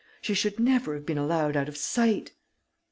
She should never have been allowed out of sight!"